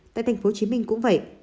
tại tp hcm cũng vậy